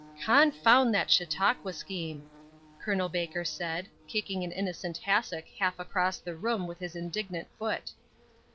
"Confound that Chautauqua scheme!" Col. Baker said, kicking an innocent hassock half across the room with his indignant foot.